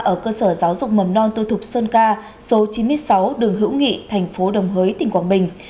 ở cơ sở giáo dục mầm non tư thục sơn ca số chín mươi sáu đường hữu nghị thành phố đồng hới tỉnh quảng bình